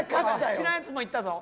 知らんやつもいったぞ。